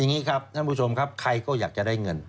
อย่างนี้ครับท่านผู้ชมครับใครก็อยากจะได้เงิน